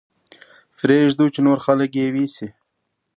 پرې يې ږدو چې نور خلک يې ويسي.